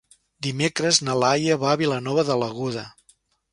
Dimecres na Laia va a Vilanova de l'Aguda.